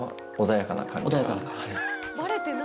穏やかな感じなので。